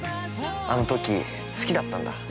◆あのとき好きだったんだ。